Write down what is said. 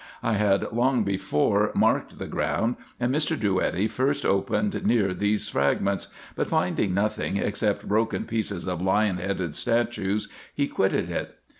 I had long before marked tins ground, and Mr. Drouetti first opened near these fragments ; but finding nothing except broken pieces of lion headed statues, he quitted it.